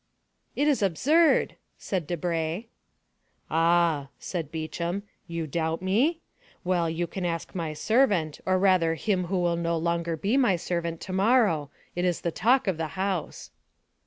"It is absurd," said Debray. "Ah," said Beauchamp, "you doubt me? Well, you can ask my servant, or rather him who will no longer be my servant tomorrow, it was the talk of the house."